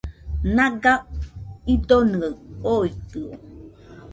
Naga idonɨaɨ oitɨo